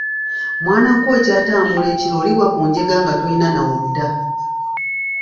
Mwana ggwe okyatambula ekiro oligwa ku njega nga tolina na wodda.